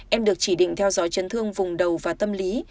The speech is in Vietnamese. em được chỉ định theo dõi chấn thương vùng đầu và tâm lý